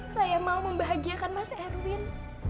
saya mau membahagiakan mas erwin